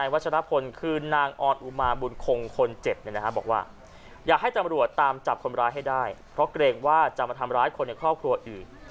ว่าจะมาทำร้ายคนในครอบครัวอื่น